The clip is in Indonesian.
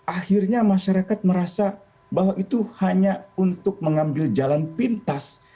akhirnya masyarakat merasa bahwa itu hanya untuk mengambil jalan pintas